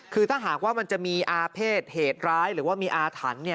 คือถ้าหากว่ามันจะมีอาเภษเหตุร้ายหรือว่ามีอาถรรพ์